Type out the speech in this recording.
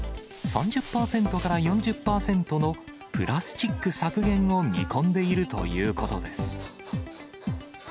３０％から４０％のプラスチック削減を見込んでいるということです。